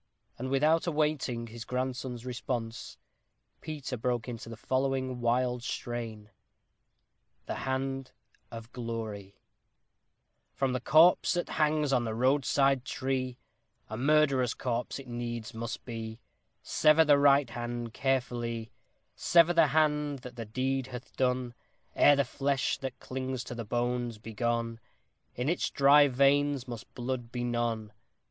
And without awaiting his grandson's response, Peter broke into the following wild strain: THE HAND OF GLORY From the corse that hangs on the roadside tree A murderer's corse it needs must be , Sever the right hand carefully: Sever the hand that the deed hath done, Ere the flesh that clings to the bones be gone; In its dry veins must blood be none.